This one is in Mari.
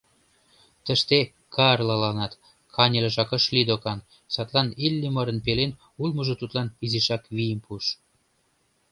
Тыште Карлаланат каньылыжак ыш лий докан, садлан Иллимарын пелен улмыжо тудлан изишак вийым пуыш.